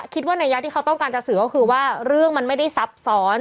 ในยะที่เขาต้องการจะสื่อก็คือว่าเรื่องมันไม่ได้ซับซ้อน